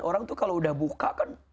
orang itu kalau sudah buka